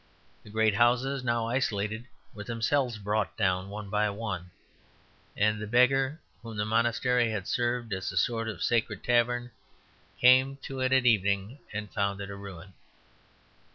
The great houses, now isolated, were themselves brought down one by one; and the beggar, whom the monastery had served as a sort of sacred tavern, came to it at evening and found it a ruin.